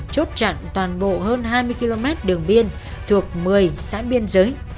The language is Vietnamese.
chốt chặn toàn bộ hơn hai mươi km đường biên thuộc một mươi xã biên giới